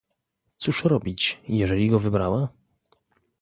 "Cóż robić, jeżeli go wybrała?..."